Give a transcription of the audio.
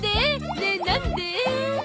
ねえなんで？